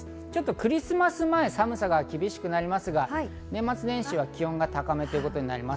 クリスマス前に寒さが厳しくなりますが、年末年始は気温が高めとなります。